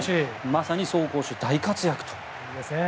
まさに走攻守大活躍。